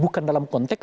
bukan dalam konteks